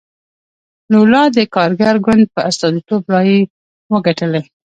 لولا د کارګر ګوند په استازیتوب رایې وګټلې.